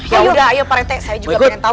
yaudah ayo paranti saya juga pengen tau